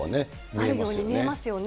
あるように見えますよね。